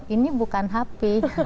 ini bukan hp